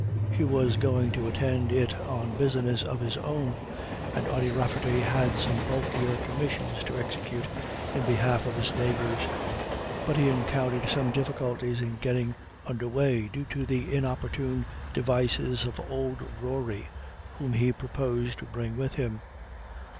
Hugh was going to attend it on business of his own, and Ody Rafferty had some bulkier commissions to execute in behalf of his neighbours. But he encountered some difficulties in getting under way, due to the inopportune devices of old Rory, whom he proposed to bring with him.